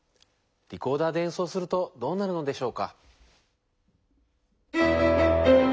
リコーダーでえんそうするとどうなるのでしょうか？